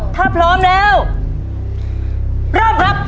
ถ้าพร้อมแล้วเริ่มครับ